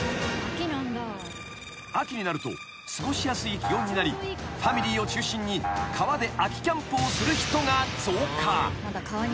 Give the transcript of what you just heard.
［秋になると過ごしやすい気温になりファミリーを中心に川で秋キャンプをする人が増加］